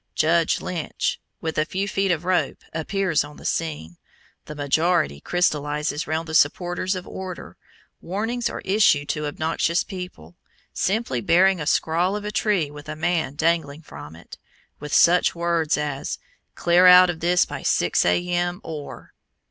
"Judge Lynch," with a few feet of rope, appears on the scene, the majority crystallizes round the supporters of order, warnings are issued to obnoxious people, simply bearing a scrawl of a tree with a man dangling from it, with such words as "Clear out of this by 6 A.M., or